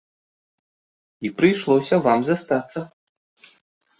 І прыйшлося вам застацца!